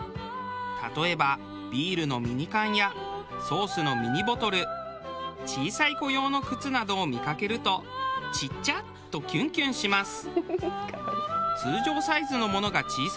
例えばビールのミニ缶やソースのミニボトル小さい子用の靴などを見かけると「ちっちゃっ！」とキュンキュンします。